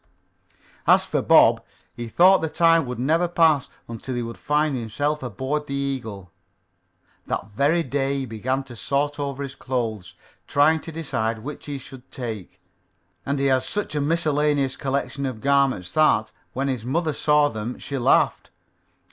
As for Bob, he thought the time would never pass until he would find himself aboard the Eagle. That very day he began to sort over his clothes, trying to decide which he should take, and he had such a miscellaneous collection of garments that, when his mother saw them, she laughed.